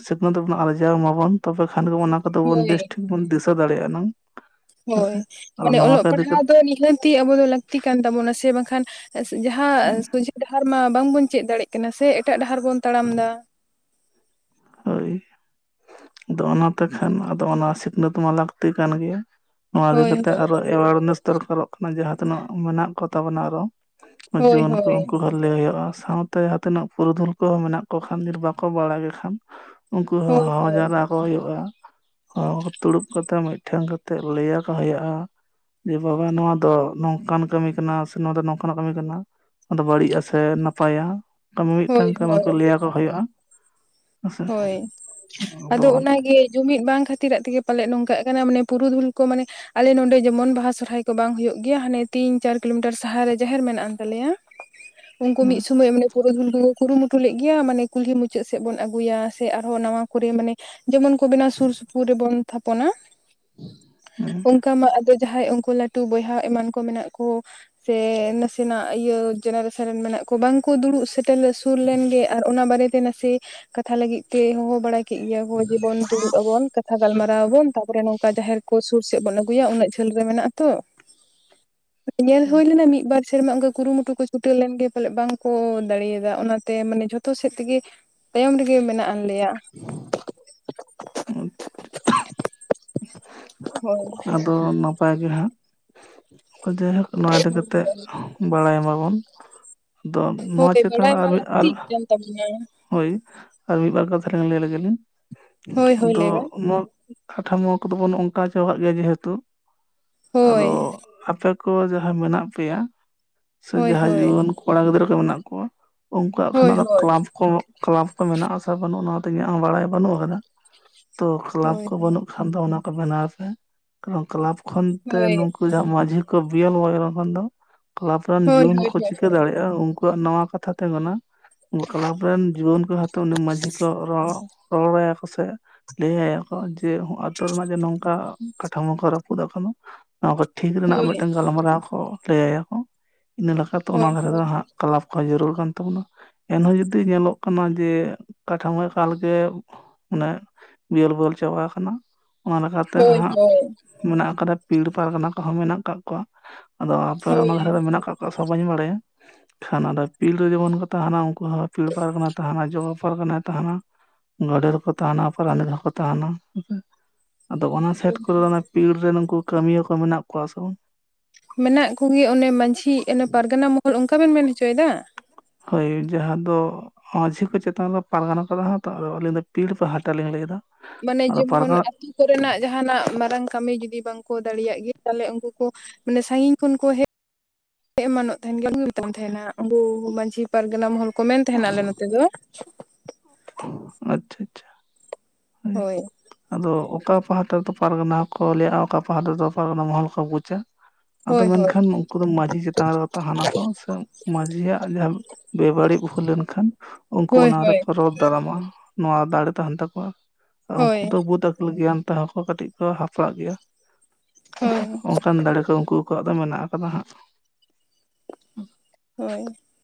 ᱥᱤᱠᱷᱱᱟᱹᱛ ᱫᱚ ᱵᱚᱱ ᱟᱨᱡᱟᱣ ᱢᱟᱵᱚᱱ ᱛᱚᱵᱮ ᱠᱷᱟᱱ ᱜᱮ ᱵᱚᱱ ᱟᱫᱚ ᱵᱚᱱ ᱦᱳᱭ ᱵᱮᱥ ᱴᱷᱤᱠ ᱵᱚᱱ ᱫᱤᱥᱟᱹ ᱫᱟᱲᱮᱭᱟᱜᱼᱟ ᱟᱱᱟᱝ ᱾ ᱦᱳᱭ ᱢᱟᱱᱮ ᱚᱞᱚᱜ ᱯᱟᱲᱦᱟᱣ ᱫᱚ ᱱᱤᱦᱟᱹᱛᱤ ᱟᱵᱚ ᱫᱚ ᱞᱟᱹᱠᱛᱤ ᱠᱟᱱ ᱛᱟᱵᱚᱱᱟ ᱥᱮ ᱵᱟᱝᱠᱷᱟᱱ ᱡᱟᱦᱟᱸ ᱥᱚᱡᱷᱮ ᱰᱟᱦᱟᱨ ᱢᱟ ᱵᱟᱝᱵᱚᱱ ᱪᱮᱫ ᱫᱟᱲᱮᱭᱟᱜ ᱠᱟᱱᱟ ᱥᱮ ᱮᱴᱟᱜ ᱰᱟᱦᱟᱨ ᱵᱚᱱ ᱛᱟᱲᱟᱢ ᱫᱟ ᱾ ᱦᱳᱭ ᱟᱫᱚ ᱚᱱᱟ ᱛᱮ ᱠᱷᱟᱱ ᱟᱫᱚ ᱚᱱᱟ ᱥᱤᱠᱷᱱᱟᱹᱛ ᱢᱟ ᱞᱟᱹᱠᱛᱤ ᱠᱟᱱ ᱜᱮᱭᱟ ᱾ ᱱᱚᱣᱟ ᱤᱫᱤ ᱦᱳᱭ ᱠᱟᱛᱮᱜ ᱟᱨᱚ ᱮᱣᱟᱨᱱᱮᱥ ᱫᱚᱨᱠᱟᱨᱚᱜ ᱠᱟᱱᱟ ᱡᱟᱦᱟᱸ ᱛᱤᱱᱟᱹᱜ ᱢᱮᱱᱟᱜ ᱠᱚᱛᱟᱵᱚᱱᱟ ᱟᱨᱚ ᱦᱳᱭ ᱡᱩᱣᱟᱹᱱ ᱠᱚ ᱦᱳᱭ ᱩᱱᱠᱩ ᱦᱚᱸ ᱞᱟᱹᱭ ᱦᱩᱭᱩᱜᱼᱟ ᱥᱟᱶᱛᱮ ᱦᱟᱛᱮᱱᱟᱜ ᱯᱩᱨᱩᱫᱷᱩᱞ ᱠᱚᱦᱚᱸ ᱢᱮᱱᱟᱜ ᱠᱚ ᱠᱷᱟᱱ ᱵᱟᱠᱚ ᱵᱟᱲᱟ ᱜᱮ ᱠᱷᱟᱱ ᱩᱱᱠᱩ ᱦᱚᱸ ᱦᱳᱭ ᱦᱚᱦᱚ ᱦᱳᱭ ᱡᱟᱣᱨᱟ ᱠᱚ ᱦᱩᱭᱩᱜᱼᱟ ᱾ ᱦᱚᱦᱚ ᱛᱩᱲᱩᱵ ᱠᱟᱛᱮᱫ ᱢᱤᱫᱴᱷᱮᱱ ᱠᱟᱛᱮᱫ ᱞᱟᱹᱭ ᱟᱠᱚ ᱦᱳᱭᱳᱜᱼᱟ ᱾ ᱡᱮ ᱵᱟᱵᱟ ᱱᱚᱣᱟ ᱫᱚ ᱱᱚᱝᱠᱟᱱ ᱠᱟᱹᱢᱤ ᱠᱟᱱᱟ ᱥᱮ ᱱᱚᱣᱟ ᱫᱚ ᱱᱚᱝᱠᱟᱱ ᱠᱟᱹᱢᱤ ᱠᱟᱱᱟ ᱾ ᱟᱫᱚ ᱵᱟᱹᱲᱤᱡᱼᱟ ᱥᱮ ᱱᱟᱯᱟᱭᱟ ᱠᱟᱹᱢᱤ ᱦᱳᱭ ᱢᱤᱫᱴᱟᱝ ᱠᱟᱹᱢᱤ ᱦᱳᱭ ᱠᱚ ᱞᱟᱹᱭᱟᱠᱚ ᱦᱳᱭᱳᱜᱼᱟ ᱾ ᱦᱳᱭ ᱟᱫᱚ ᱚᱱᱟ ᱜᱮ ᱡᱩᱢᱤᱫ ᱵᱟᱝ ᱠᱷᱟᱹᱛᱤᱨᱟᱜ ᱛᱮᱜᱮ ᱯᱟᱞᱮᱫ ᱱᱚᱝᱠᱟᱜ ᱠᱟᱱᱟ ᱢᱟᱱᱮ ᱯᱩᱨᱩᱫᱷᱩᱞ ᱠᱚ ᱢᱟᱱᱮ ᱟᱞᱮ ᱱᱚᱸᱰᱮ ᱡᱮᱢᱚᱱ ᱵᱟᱦᱟ ᱥᱚᱨᱦᱟᱭ ᱠᱚ ᱵᱟᱝ ᱦᱳᱭᱳᱜ ᱜᱮᱭᱟ ᱦᱟᱱᱮ ᱛᱤᱱ ᱪᱟᱨ ᱠᱤᱞᱳᱢᱤᱴᱟᱨ ᱥᱟᱦᱟ ᱨᱮ ᱡᱟᱦᱮᱨ ᱢᱮᱱᱟᱜ ᱟᱱ ᱛᱟᱞᱮᱭᱟ ᱾ [inaudible] ᱩᱱᱠᱩ ᱢᱤᱫ ᱥᱩᱢᱚᱭ ᱢᱟᱱᱮ ᱯᱩᱨᱩᱫᱩᱞ ᱠᱚᱜᱚ ᱠᱩ ᱠᱩᱨᱩᱢᱩᱴᱩ ᱞᱮᱜ ᱜᱮᱭᱟ ᱢᱟᱱᱮ ᱠᱩᱞᱦᱤ ᱢᱩᱪᱟᱹᱫ ᱥᱮᱫ ᱵᱚᱱ ᱟᱹᱜᱩᱭᱟ ᱥᱮ ᱟᱨᱦᱚᱸ ᱱᱟᱣᱟ ᱠᱚᱨᱮ ᱢᱟᱱᱮ ᱡᱮᱢᱚᱱ ᱠᱚ ᱵᱮᱱᱟᱣ ᱥᱩᱨ ᱥᱩᱯᱩᱨ ᱨᱮᱵᱚᱱ ᱛᱷᱟᱯᱚᱱᱟ ᱾ ᱚᱱᱠᱟ ᱢᱟ ᱟᱫᱚ ᱡᱟᱦᱟᱸᱭ ᱩᱱᱠᱩ ᱞᱟᱹᱴᱩ ᱵᱚᱭᱦᱟ ᱮᱢᱟᱱ ᱠᱚ ᱢᱮᱱᱟᱜ ᱠᱚ ᱾ ᱥᱮ ᱱᱟᱥᱮᱱᱟᱜ ᱤᱭᱟᱹ ᱡᱮᱱᱟᱨᱮᱥᱚᱱ ᱨᱮᱱ ᱢᱮᱱᱟᱜ ᱠᱚ ᱵᱟᱝᱠᱚ ᱫᱩᱲᱩᱵ ᱥᱮᱴᱮᱨᱞᱮ ᱥᱩᱞ ᱞᱮᱱ ᱜᱮ ᱟᱨ ᱚᱱᱟ ᱵᱟᱨᱮ ᱛᱮ ᱱᱟᱥᱮ ᱠᱟᱛᱷᱟ ᱞᱟᱹᱜᱤᱫ ᱛᱮ ᱦᱚᱦᱚ ᱵᱟᱲᱟᱭ ᱾ ᱠᱮᱜ ᱜᱮᱭᱟ ᱠᱚ ᱡᱮᱵᱚᱱ ᱫᱩᱲᱩᱵ ᱟᱵᱚᱱ ᱠᱟᱛᱷᱟ ᱜᱟᱞᱢᱟᱨᱟᱣ ᱟᱵᱚᱱ ᱛᱟᱯᱚᱨᱮ ᱱᱚᱝᱠᱟ ᱡᱟᱦᱮᱨ ᱠᱚ ᱥᱩᱨ ᱥᱮᱫ ᱵᱚᱱ ᱟᱹᱜᱩᱭᱟ ᱤᱱᱟᱹᱜ ᱡᱷᱟᱹᱞ ᱨᱮ ᱢᱮᱱᱟᱜᱼᱟ ᱛᱚ ᱧᱮᱞ ᱦᱩᱭ ᱞᱮᱱᱟ ᱢᱤᱫ ᱵᱟᱨ ᱥᱮᱨᱢᱟ ᱚᱝᱠᱟ ᱠᱩᱨᱩᱢᱩᱴᱩ ᱠᱚ ᱪᱩᱴᱟᱹᱣ ᱞᱮᱱᱜᱮ ᱯᱟᱞᱮᱫ ᱵᱟᱝᱠᱚ ᱫᱟᱲᱮᱭᱟᱫᱟ ᱚᱱᱟᱛᱮ ᱢᱟᱱᱮ ᱡᱷᱚᱛᱚ ᱥᱮᱫ ᱛᱮᱜᱮ ᱛᱟᱭᱚᱢ ᱨᱮᱜᱮ ᱢᱮᱱᱟᱜ ᱟᱱᱞᱮᱭᱟ ᱾ ᱟᱪᱪᱷᱟ ᱟᱪᱪᱷᱟ [unintelligible] [inaudible] ᱦᱳᱭ ᱟᱫᱚ ᱱᱟᱯᱟᱭ ᱜᱮ ᱦᱟᱸᱜ ᱡᱟᱭᱦᱳᱠ ᱱᱚᱣᱟ ᱤᱫᱤ ᱠᱟᱛᱮᱫ ᱵᱟᱲᱟᱭ ᱢᱟᱵᱚᱱ ᱫᱚ ᱱᱚᱣᱟ ᱪᱮᱛᱟᱱ ᱨᱮ ᱟᱨ ᱢᱤᱫ ᱟᱨ ᱛᱟᱵᱩᱝᱢᱮ ᱦᱳᱭ ᱟᱨ ᱵᱤᱜᱵᱟᱨ ᱠᱟᱛᱷᱟ ᱞᱤᱧ ᱞᱟᱹᱭ ᱞᱮᱜᱮ ᱞᱤᱧ ᱦᱳᱭ ᱦᱳᱭ ᱟᱫᱚ ᱞᱟᱹᱭ ᱵᱮᱱ ᱱᱚᱣᱟ ᱠᱷᱟᱴᱷᱟᱢᱳ ᱠᱚᱫᱚ ᱵᱚᱱ ᱚᱝᱠᱟ ᱪᱟᱵᱟᱜ ᱜᱮᱭᱟ ᱡᱮᱦᱮᱛᱩ ᱦᱳᱭ ᱟᱫᱚ ᱟᱯᱮ ᱠᱚ ᱡᱟᱦᱟᱸ ᱢᱮᱱᱟᱜ ᱯᱮᱭᱟ ᱥᱮ ᱦᱳᱭ ᱡᱟᱦᱟᱸᱭ ᱦᱳᱭ ᱡᱩᱣᱟᱹᱱ ᱠᱚᱲᱟ ᱜᱤᱫᱽᱨᱟᱹ ᱠᱚ ᱢᱮᱱᱟᱜ ᱠᱚᱣᱟ ᱾ ᱩᱱᱠᱩᱣᱟᱜ ᱦᱳᱭ ᱟᱠᱷᱚᱱᱚᱜ ᱦᱳᱭ ᱫᱚ ᱠᱞᱟᱯ ᱠᱚ ᱠᱞᱟᱯ ᱠᱚ ᱢᱮᱱᱟᱜᱼᱟ ᱥᱮ ᱵᱟᱹᱱᱩᱜ ᱚᱱᱟᱣᱛᱮ ᱤᱧᱟᱹᱜ ᱦᱚᱸ ᱵᱟᱲᱟᱭ ᱵᱟᱹᱱᱩᱜ ᱟᱠᱟᱫᱟ ᱾ ᱛᱚ ᱠᱞᱟᱯ ᱦᱳᱭ ᱠᱚ ᱦᱳᱭ ᱵᱟᱹᱱᱩᱜ ᱠᱷᱟᱱ ᱫᱚ ᱚᱱᱟ ᱠᱚ ᱵᱮᱱᱟᱣ ᱯᱮ ᱠᱟᱨᱚᱱ ᱠᱞᱟᱯ ᱠᱷᱚᱱ ᱛᱮ ᱦᱳᱭ ᱱᱩᱠ ᱩᱱᱠᱩ ᱢᱟᱺᱡᱷᱤ ᱠᱚ ᱵᱤᱭᱮᱞ ᱵᱚᱭᱚᱞ ᱟᱠᱟᱱ ᱫᱚ ᱠᱞᱟᱵᱽ ᱨᱮᱱ ᱦᱳᱭ ᱡᱩᱣᱟᱹᱱ ᱦᱳᱭ ᱠᱚ ᱦᱳᱭ ᱪᱤᱠᱟᱹ ᱫᱟᱲᱮᱭᱟᱜᱼᱟ ᱩᱱᱠᱩ ᱛᱚᱜ ᱱᱟᱣᱟ ᱠᱟᱛᱷᱟ ᱛᱮᱜᱳᱱᱟ᱾ ᱠᱞᱟᱵᱽ ᱨᱮᱱ ᱡᱩᱣᱟᱹᱱ ᱠᱚ ᱦᱟᱛᱚ ᱢᱟᱺᱡᱷᱤ ᱠᱚ ᱨᱚᱲ ᱨᱚᱲᱟᱭᱟ ᱠᱚ ᱥᱮ᱾ ᱞᱟᱹᱭ ᱟᱭᱟᱠᱚ ᱡᱮ ᱦᱚᱸᱜ ᱟᱹᱛᱩ ᱨᱮᱱᱟᱜ ᱡᱮ ᱱᱚᱝᱠᱟ ᱠᱟᱴᱷᱟᱢᱳ ᱠᱚ ᱨᱟᱯᱩᱫ ᱟᱠᱟᱱᱟ᱾ ᱱᱚᱣᱟ ᱠᱚ ᱴᱷᱤᱠ ᱨᱮᱱᱟᱜ ᱦᱳᱭ ᱢᱮᱜᱴᱮᱝ ᱜᱟᱞᱢᱟᱨᱟᱣ ᱠᱚ ᱞᱟᱹᱭ ᱟᱭᱟ ᱠᱚ ᱤᱱᱟᱹ ᱞᱮᱠᱷᱟᱛᱮ ᱚᱱᱟ ᱦᱳᱭ ᱫᱷᱟᱨᱮ ᱫᱚ ᱦᱟᱸᱜ᱾ ᱠᱞᱟᱵᱽ ᱠᱚᱦᱚᱸ ᱡᱟᱹᱨᱩᱲ ᱠᱟᱱ ᱛᱟᱵᱚᱱᱟ ᱮᱱᱦᱚᱸ ᱡᱩᱫᱤ ᱧᱮᱞᱚᱜ ᱠᱟᱱᱟ ᱡᱮ ᱠᱟᱴᱷᱟᱢᱳ ᱮᱠᱟᱞᱜᱮ ᱢᱟᱱᱮ ᱵᱤᱭᱚᱞ ᱵᱷᱚᱭᱚᱞ ᱪᱟᱵᱟ ᱟᱠᱟᱱᱟ ᱚᱱᱟ ᱞᱮᱠᱟᱛᱮ ᱦᱳᱭ ᱦᱟᱸᱜ ᱦᱳᱭ ᱢᱮᱱᱟᱜ ᱟᱠᱟᱫᱟ ᱯᱤᱲ ᱯᱟᱨᱜᱟᱱᱟ ᱠᱚᱦᱚᱸ ᱢᱮᱱᱟᱜ ᱠᱟᱜ ᱠᱚᱣᱟ ᱟᱫᱚ ᱟᱯᱮ ᱚᱱᱟ ᱦᱳᱭ ᱫᱷᱟᱨᱮ ᱫᱚ ᱢᱮᱱᱟᱜ ᱠᱟᱜ ᱠᱚᱣᱟ ᱥᱮ ᱵᱟᱹᱧ ᱵᱟᱲᱟᱭᱟ ᱠᱷᱟᱱ ᱟᱫᱚ ᱯᱤᱲ ᱨᱮ ᱡᱮᱢᱚᱱ ᱠᱚ ᱛᱟᱸᱦᱮᱱᱟ ᱩᱱ ᱦᱚ ᱯᱤᱲ ᱯᱟᱨᱜᱟᱱᱟ ᱛᱟᱦᱮᱱᱟᱭ ᱡᱚᱜᱚ ᱯᱟᱨᱜᱟᱱᱟᱭ ᱛᱟᱦᱮᱱᱟ ᱜᱟᱰᱮᱛ ᱦᱚᱸ ᱠᱚ ᱛᱟᱦᱮᱸᱱᱟ ᱯᱚᱨᱟᱱᱤᱠ ᱦᱚᱸ ᱠᱚ ᱛᱟᱦᱮᱱᱟ [unintelligible] ᱟᱫᱚ ᱚᱱᱟ ᱥᱮᱴ ᱠᱚᱨᱮ ᱫᱚ ᱚᱱᱟ ᱯᱤᱲ ᱨᱮᱱ ᱩᱱᱠᱩ ᱠᱟᱹᱢᱤᱭᱟᱹ ᱠᱚ ᱢᱮᱱᱟᱜ ᱠᱚᱣᱟ ᱥᱮ ᱵᱟᱝ᱾ ᱢᱮᱱᱟᱜ ᱠᱩᱜᱮ ᱚᱱᱮ ᱢᱟᱡᱷᱤ ᱮᱱᱮ ᱯᱟᱨᱜᱟᱱᱟ ᱢᱚᱦᱚᱞ ᱚᱱᱠᱟ ᱵᱮᱱ ᱢᱮᱱ ᱦᱚᱪᱚᱭᱮᱫᱟ᱾ ᱦᱳᱭ ᱡᱟᱦᱟ ᱫᱚ᱾ ᱢᱟᱹᱡᱷᱤ ᱠᱚ ᱪᱮᱛᱟᱱ ᱨᱮ ᱫᱚ ᱯᱟᱨᱜᱟᱱᱟ ᱠᱚ ᱛᱟᱦᱮᱱᱟ ᱛᱚ ᱟᱫᱚ ᱟᱹᱞᱤᱧ ᱫᱚ ᱯᱤᱲ ᱯᱟᱦᱴᱟ ᱞᱤᱧ ᱞᱟᱹᱭᱫᱟ᱾ ᱢᱟᱱᱮ ᱟᱫᱚ ᱡᱮᱢᱚᱱ ᱯᱟᱨᱜᱟᱱᱟ ᱟᱴᱷᱤ ᱠᱚᱨᱮᱱᱟᱜ ᱡᱟᱸᱦᱟᱱᱟᱜ ᱢᱟᱨᱟᱝ ᱠᱟᱢᱤ ᱡᱩ ᱫᱤ ᱵᱟᱝᱠᱚ ᱫᱟᱲᱮᱭᱟᱜ ᱜᱤ ᱛᱟᱦᱞᱮ ᱩᱱᱠᱩ ᱠᱚ ᱢᱟᱱᱮ ᱥᱟᱺᱜᱤᱧ ᱠᱷᱚᱱ ᱠᱚ ᱦᱮᱡ ᱮᱢᱟᱱᱚᱜ ᱛᱟᱦᱮᱱ ᱜᱮᱭᱟ [unintelligible] ᱟᱵᱩ ᱢᱟᱡᱷᱤ ᱯᱟᱨᱜᱟᱱᱟ ᱢᱚᱦᱚᱞ ᱠᱚ ᱢᱮᱱ ᱛᱟᱦᱮᱱᱟ ᱟᱞᱮ ᱱᱚᱛᱮ ᱫᱚ᱾ ᱟᱪᱪᱷᱟ ᱟᱪᱪᱷᱟ ᱦᱳᱭ ᱟᱫᱚ ᱚᱠᱟ ᱯᱟᱦᱴᱟ ᱫᱚ ᱯᱟᱨᱜᱟᱱᱟ ᱦᱚᱸ ᱠᱚ ᱞᱟᱹᱭᱟ-ᱟ ᱚᱠᱟ ᱯᱟᱦᱴᱟ ᱫᱚ ᱯᱟᱨᱜᱟᱱᱟ ᱢᱚᱦᱚᱞ ᱠᱚ ᱵᱩᱡᱽ-ᱟ᱾ ᱟᱫᱚ ᱦᱳᱭ ᱦᱳᱭ ᱢᱮᱱᱠᱷᱟᱱ ᱩᱱᱠᱩ ᱫᱚ ᱢᱟᱡᱷᱤ ᱪᱮᱛᱟᱱ ᱨᱮ ᱛᱟᱦᱮᱱᱟᱠᱚ ᱥᱮ ᱢᱟᱡᱷᱤᱭᱟᱜ ᱡᱟᱸᱦᱟ᱾ ᱵᱮᱵᱟᱹᱲᱤᱜ ᱦᱩᱭ ᱞᱮᱱᱠᱷᱟᱱ ᱩᱱᱠᱩ ᱦᱳᱭ ᱚᱱᱟ ᱨᱮ ᱦᱳᱭ ᱠᱚ ᱨᱚᱲ᱾ ᱫᱟᱨᱟᱢᱟ ᱱᱚᱣᱟ ᱫᱟᱲᱮ ᱛᱟᱦᱮᱱ ᱛᱟᱠᱚᱣᱟ ᱩᱱᱠᱩ ᱦᱳᱭ ᱫᱚ ᱵᱩᱫᱷ ᱟᱹᱠᱤᱞ ᱜᱮᱭᱟᱱ ᱛᱮᱦᱚᱸ ᱠᱚ ᱠᱟᱹᱴᱤᱡ ᱠᱚ ᱦᱟᱯᱲᱟᱜ ᱜᱮᱭᱟ ᱦᱮᱸᱥᱮ ᱦᱳᱭ ᱦᱚᱸᱜ ᱚᱱᱠᱟᱱ ᱫᱟᱲᱮ ᱠᱚᱫᱚ ᱩᱱᱠᱩ ᱠᱚᱣᱟᱜ ᱫᱚ ᱢᱮᱱᱟᱜ ᱠᱟᱫᱟ ᱦᱟᱸᱜ᱾ ᱦᱳᱭ